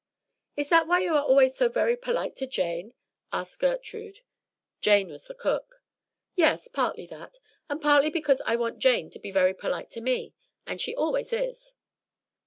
"Is that why you are always so very polite to Jane?" asked Gertrude. Jane was the cook. "Yes, partly that; and partly because I want Jane to be very polite to me; and she always is."